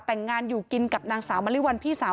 แต่งงานอยู่กินกับนางสาวมะลิวัลพี่สาว